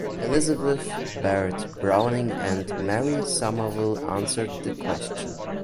Elizabeth Barrett Browning and Mary Somerville answered the question.